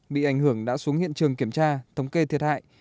bị ảnh hưởng đã xuống hiện trường kiểm tra thống kê thiệt hại